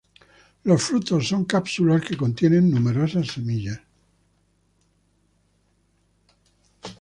Los frutos son cápsulas que contienen numerosas semillas.